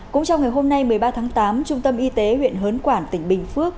cũng trong ngày hôm nay một mươi ba tháng tám trung tâm y tế huyện hớn quản tỉnh bình phước